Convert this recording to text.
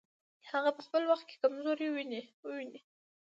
هغه په خپل وخت کې کمزوري وویني.